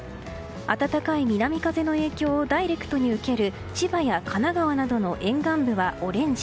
暖かい南風の影響をダイレクトに受ける千葉や神奈川などの沿岸部はオレンジ。